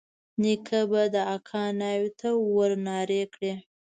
نيکه به د اکا ناوې ته ورنارې کړې.